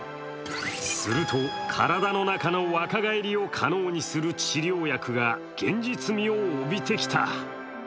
すると体の中の若返りを可能にする治療薬が現実味を帯びてきた。